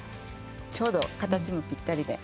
ちょうど形もぴったりで。